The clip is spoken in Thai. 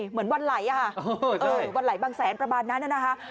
เหมือนวันไหลอะค่ะวันไหลบางแสนประมาณนั้นนะคะ